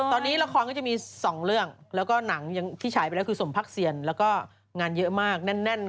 ตอนนี้ละครก็จะมี๒เรื่องแล้วก็หนังที่ฉายไปแล้วคือสมภักษณ์เหลือเงินเยอะมากแน่น